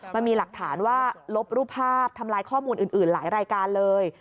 มันมีหลักฐานว่าลบรูปภาพทำลายข้อมูลอื่นหลายรายการเลย